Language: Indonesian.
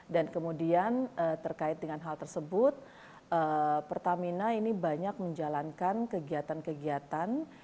dan kemudian terkait dengan hal tersebut pertamina ini banyak menjalankan kegiatan kegiatan